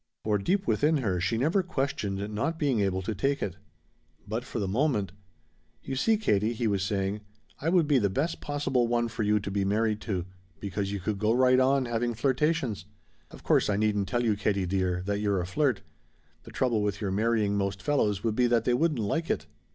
For deep within her she never questioned not being able to take it. But for the moment "You see, Katie," he was saying, "I would be the best possible one for you to be married to, because you could go right on having flirtations. Of course I needn't tell you, Katie dear, that you're a flirt. The trouble with your marrying most fellows would be that they wouldn't like it."